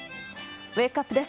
ウェークアップです。